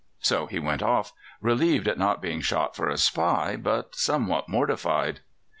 So he went off, relieved at not being shot for a spy, but somewhat mortified.